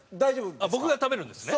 僕が食べるんですね？